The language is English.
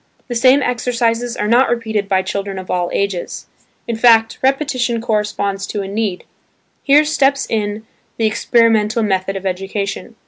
The same exercises are not repeated by children of all ages. In fact, repetition corresponds to a need. Here steps in the experimental method of education.